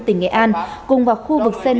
tỉnh nghệ an cùng vào khu vực c năm